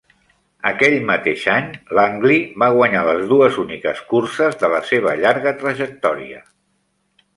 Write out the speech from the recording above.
Aquell mateix any, Langley va guanyar les dues úniques curses de la seva llarga trajectòria.